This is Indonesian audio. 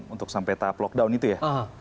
untuk sampai tahap lockdown itu ya